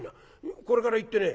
これから行ってね